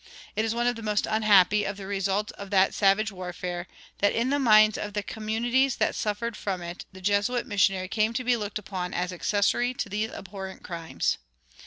It is one of the most unhappy of the results of that savage warfare that in the minds of the communities that suffered from it the Jesuit missionary came to be looked upon as accessory to these abhorrent crimes.